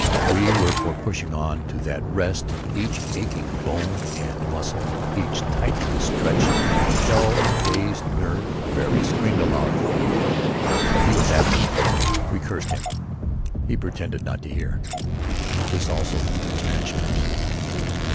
We were for pushing on to that rest each aching bone and muscle, each tight stretched and shell dazed nerve fairly screamed aloud for. But he was adamant. We cursed him. He pretended not to hear. This also was trench nerves.